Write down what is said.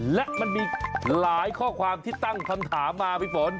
และมันมีหลายข้อความที่ตั้งคำถามมาพี่ฝน